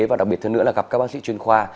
và đặc biệt hơn nữa là gặp các bác sĩ chuyên khoa